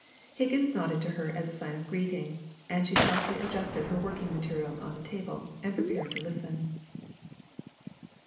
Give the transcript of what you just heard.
Higgins nodded to her as a sign of greeting; and she softly adjusted her working materials on the table, and prepared to listen.